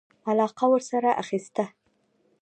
علاقه ورسره اخیسته.